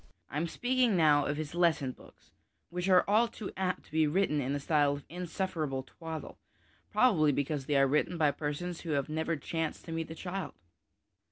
I am speaking now of his lesson books, which are all too apt to be written in a style of insufferable twaddle, probably because they are written by persons who have never chanced to meet a child.